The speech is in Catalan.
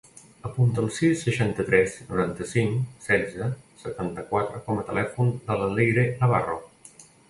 Apunta el sis, seixanta-tres, noranta-cinc, setze, setanta-quatre com a telèfon de la Leyre Navarro.